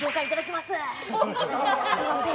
すいません